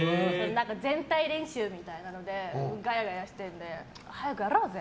全体練習みたいなのでガヤガヤしているんで早くやろうぜ！